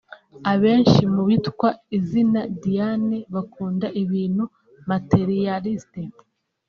Abenshi mu bitwa izina Diane bakunda ibintu (materialists)